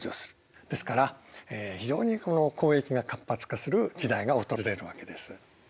ですから非常に交易が活発化する時代が訪れるわけです。